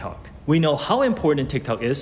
kali kedua nasib tiktok